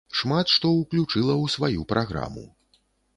Шмат што ўключыла ў сваю праграму.